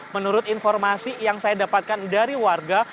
menurut informasi yang saya dapatkan dari warga